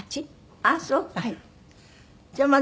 ああそうか。